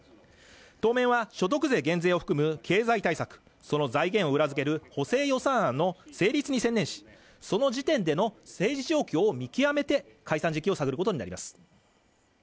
当面は所得税減税を含む経済対策その財源を裏付ける補正予算案の成立に専念しその時点での政治状況を見極めて解散時期を探ることになります